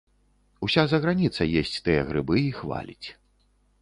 Уся заграніца есць тыя грыбы і хваліць.